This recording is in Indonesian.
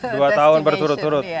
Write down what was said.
dua tahun berturut turut